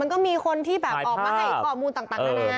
ก็มีคนที่แบบออกมาให้ข้อมูลต่างนานา